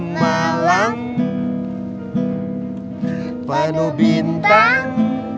malam penuh bintang